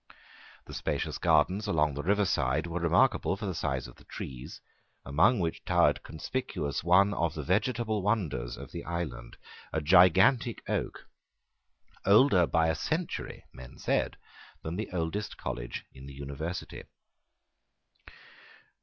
The spacious gardens along the river side were remarkable for the size of the trees, among which towered conspicuous one of the vegetable wonders of the island, a gigantic oak, older by a century, men said, than the oldest college in the University.